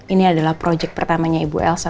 ini adalah proyek pertamanya ibu elsa